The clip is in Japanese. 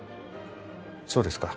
そうですか。